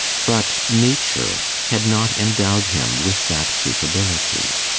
But nature had not endowed him with that capability.